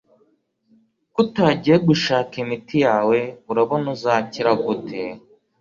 Kutagiye gushaka imiti yawe urabona uzakira gute?